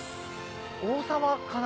王様かな？